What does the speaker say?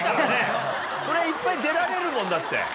そりゃいっぱい出られるもんだって。